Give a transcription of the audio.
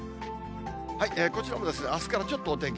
こちらもあすからちょっとお天気